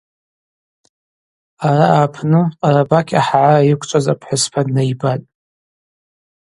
Араъа апны Къарабакь ахӏагӏара йыквчӏваз апхӏвыспа днайбатӏ.